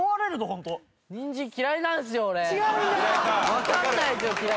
わかんないですよ。